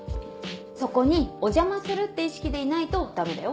そこにお邪魔するって意識でいないとダメだよ。